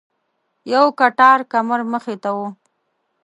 یو کټار کمر مخې ته و.